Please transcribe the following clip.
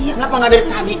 kenapa nggak ada tadi